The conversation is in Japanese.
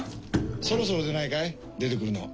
そろそろでないかい出てくるの。